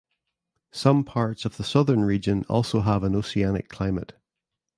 Some parts of the southern region also have an oceanic climate.